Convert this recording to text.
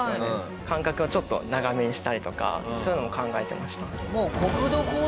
間隔をちょっと長めにしたりとかそういうのも考えてましたね。